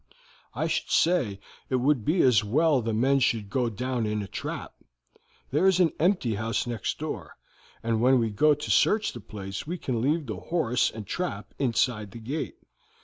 I should say it would be as well the men should go down in a trap. There is an empty house next door, and when we go to search the place we can leave the horse and trap inside the gate.